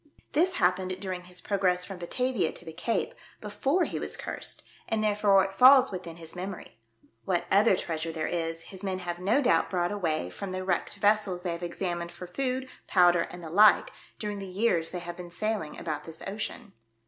This happened during his progress from Batavia to the Cape, before he was cursed, and therefore it falls within his memory. What other treasure there is, his men have no doubt brought away from the wrecked vessels they have examined for food, powder and the like, during the years they have been sailing; about this ocean."